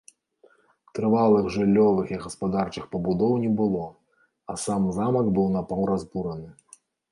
Трывалых жыллёвых і гаспадарчых пабудоў не было, а сам замак быў напаўразбураны.